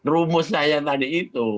rumus saya tadi itu